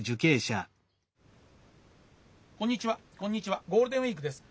こんにちはこんにちはゴールデンウイークです。